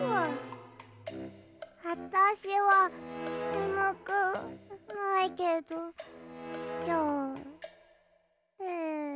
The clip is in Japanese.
あたしはねむくないけどじゃあん。